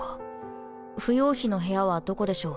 芙蓉妃の部屋はどこでしょう？